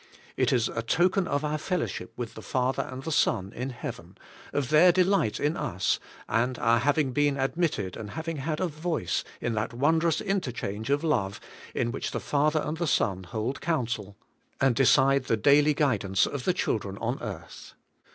It is a token of our fellowship with the Father and the Son in heaven, of their de light in us, and our having been admitted and having had a voice in that wondrous interchange of love in which the Father and the Son hold counsel, and de cide the daily guidance of the children on earth.